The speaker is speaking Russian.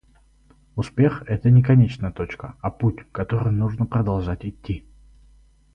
Успех - это не конечная точка, а путь, который нужно продолжать идти